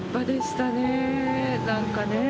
何かね